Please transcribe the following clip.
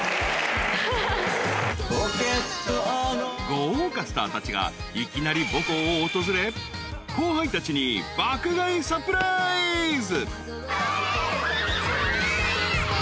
［豪華スターたちがいきなり母校を訪れ後輩たちに爆買いサプライズ］